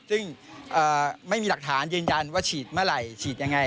ซึ่งไม่มีหลักฐานยืนยันว่าฉีดเมื่อไหร่ฉีดยังไง